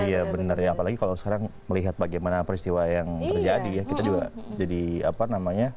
iya benar ya apalagi kalau sekarang melihat bagaimana peristiwa yang terjadi ya kita juga jadi apa namanya